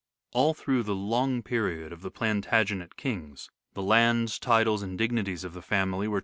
All through the long period of the Plantagenet " Shake kings, the lands, titles and dignities of the family were Rard II.